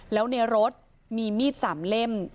แล้วในรถมีมีด๓เล่ม